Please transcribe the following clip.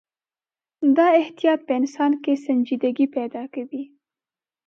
دا احتیاط په انسان کې سنجیدګي پیدا کوي.